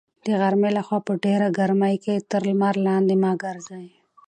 د غرمې لخوا په ډېره ګرمۍ کې تر لمر لاندې مه ګرځئ.